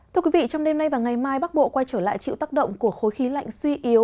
thưa quý vị trong đêm nay và ngày mai bắc bộ quay trở lại chịu tác động của khối khí lạnh suy yếu